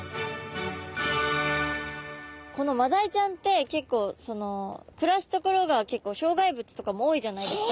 このマダイちゃんって結構暮らす所が障害物とかも多いじゃないですか。